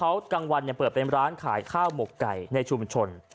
เขากลางวันเปิดเป็นร้านขายข้าวหมกไก่ในชุมชน